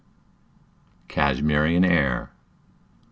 (CASHMERIAN AIR.)